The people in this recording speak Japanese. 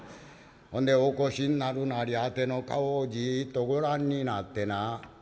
「ほんでお越しになるなりあての顔をジッとご覧になってな」。